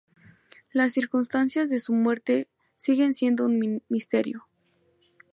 Las circunstancias de su muerte siguen siendo un misterio.